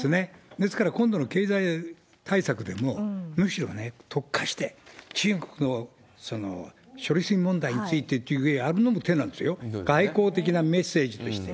ですから今度の経済対策でも、むしろ特化して、中国の処理水問題についてやるのも手なんですよ、外交的なメッセージとして。